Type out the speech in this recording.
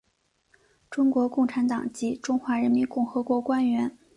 中国共产党及中华人民共和国官员。